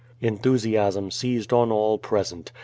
Enthusiasm seized on all present.